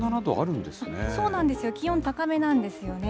そうなんですよ、気温、高めなんですよね。